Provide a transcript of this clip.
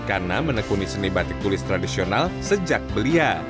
karena menekuni seni batik tulis tradisional sejak belia